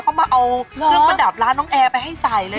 เขามาเอาเครื่องประดับร้านน้องแอร์ไปให้ใส่เลย